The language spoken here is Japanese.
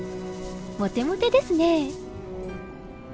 モテモテですね。